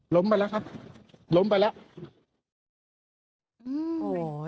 ล้มไปแล้วครับล้มไปแล้ว